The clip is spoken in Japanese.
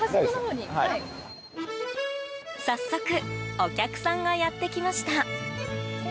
早速、お客さんがやって来ました。